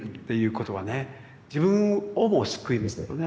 自分をも救いますよね。